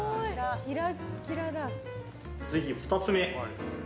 次２つ目。